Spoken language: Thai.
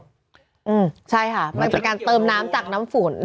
อืมใช่ค่ะมันเป็นการเติมน้ำจากน้ำฝน